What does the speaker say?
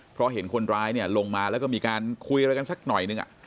เพราะเห็นคนร้ายเนี่ยลงมาแล้วก็มีการคุยอะไรกันสักหน่อยนึง